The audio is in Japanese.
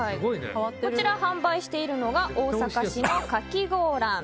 こちら販売しているのが大阪市のかきごおらん。